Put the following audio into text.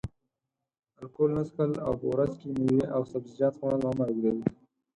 الکول نه څښل او په ورځ کې میوې او سبزیجات خوړل عمر اوږدوي.